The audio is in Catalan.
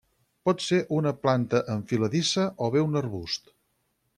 Pot ser una planta enfiladissa o bé un arbust.